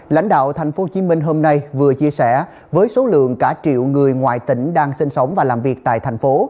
lãnh đạo tp hcm hôm nay vừa chia sẻ với số lượng cả triệu người ngoài tỉnh đang sinh sống và làm việc tại thành phố